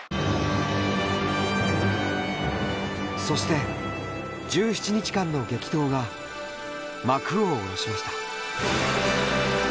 そして、１７日間の激闘が幕を下ろしました。